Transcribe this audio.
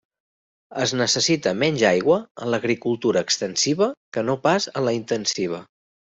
Es necessita menys aigua en l'agricultura extensiva que no pas en la intensiva.